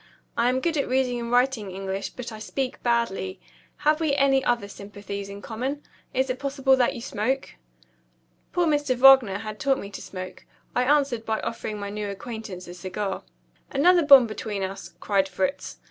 "I am good at reading and writing English, but I speak badly. Have we any other sympathies in common? Is it possible that you smoke?" Poor Mr. Wagner had taught me to smoke. I answered by offering my new acquaintance a cigar. "Another bond between us," cried Fritz.